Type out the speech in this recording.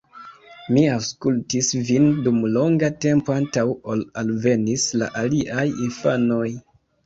Mi aŭskultis vin dum longa tempo antaŭ ol alvenis la aliaj infanoj.